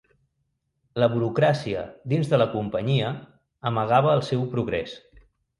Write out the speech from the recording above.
La burocràcia dins de la companyia amagava el seu progrés.